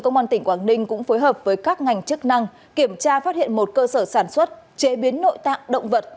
công an tỉnh quảng ninh cũng phối hợp với các ngành chức năng kiểm tra phát hiện một cơ sở sản xuất chế biến nội tạng động vật